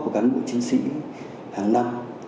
của cán bộ chiến sĩ hàng năm